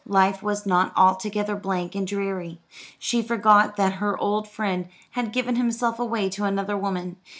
Life was not altogether blank and dreary. She forgot that her old friend had given himself away to another woman.